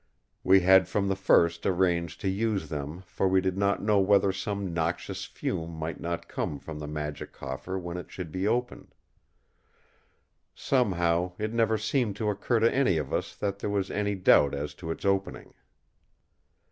We had from the first arranged to use them for we did not know whether some noxious fume might not come from the magic coffer when it should be opened. Somehow, it never seemed to occur to any of us that there was any doubt as to its opening.